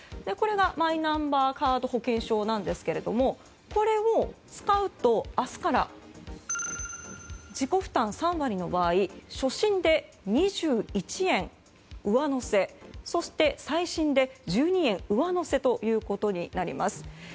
これがマイナンバーカード保険証なんですがこれを使うと、明日から自己負担３割の場合初診で２１円上乗せそして、再診で１２円上乗せということになります。